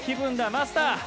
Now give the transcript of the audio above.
マスター！